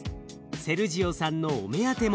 セルジオさんのお目当ても。